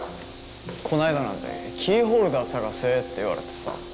こないだなんてキーホルダー探せって言われてさ。